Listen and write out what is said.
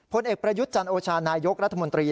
ผลเอกประยุทธ์จันโอชานายกรัฐมนตรี